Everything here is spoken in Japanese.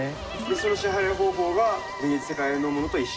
その支払い方法が現実世界のものと一緒？